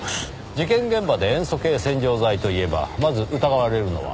事件現場で塩素系洗浄剤といえばまず疑われるのは？